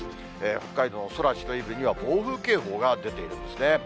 北海道の空知、胆振には、暴風警報が出ているんですね。